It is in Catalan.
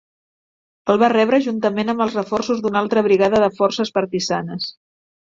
El va rebre juntament amb els reforços d'una altra brigada de forces partisanes.